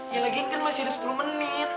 ya lagi kan masih ada sepuluh menit